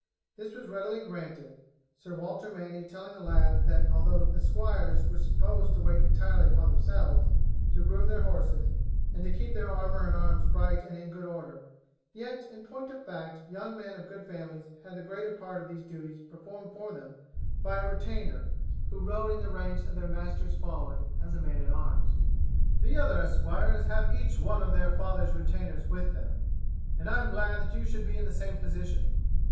This was readily granted, Sir Walter Manny telling the lad that although esquires were supposed to wait entirely upon themselves, to groom their horses, and keep their armour and arms bright and in good order, yet, in point of fact, young men of good families had the greater part of these duties performed for them by a retainer who rode in the ranks of their master's following as a man at arms. "The other esquires have each one of their father's retainers with them, and I am glad that you should be in the same position.